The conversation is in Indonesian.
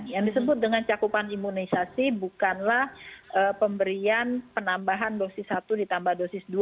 yang disebut dengan cakupan imunisasi bukanlah pemberian penambahan dosis satu ditambah dosis dua